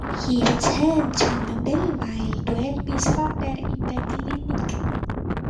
He returned to Nobleville to help his father in his clinic.